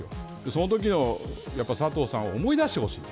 そのときの佐藤さんを思い出してほしい。